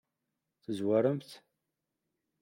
Tezwarem-t?